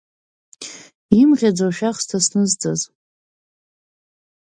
Имӷьаӡо ашәахысҭа снызҵаз.